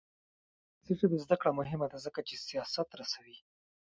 د انګلیسي ژبې زده کړه مهمه ده ځکه چې سیاست رسوي.